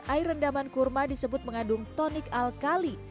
air rendaman kurma disebut mengandung tonik alkali